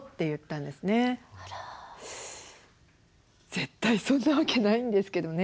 絶対そんなわけないんですけどね。